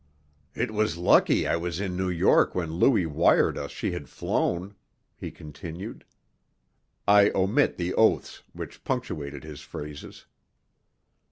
"It was lucky I was in New York when Louis wired us she had flown," he continued I omit the oaths which punctuated his phrases.